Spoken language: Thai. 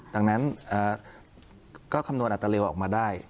ดังนั้นก็คำนวณอัตเร็วออกมาได้